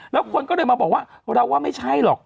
แล้วคนก็เลยมาบอกว่าเราว่าไม่ใช่หรอก